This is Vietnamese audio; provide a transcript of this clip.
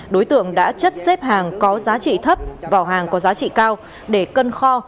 đối tượng đã chất xếp hàng có giá trị thấp vào hàng có giá trị cao để cân kho